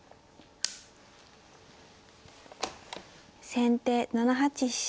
先手７八飛車。